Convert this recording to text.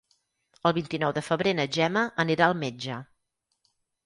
El vint-i-nou de febrer na Gemma anirà al metge.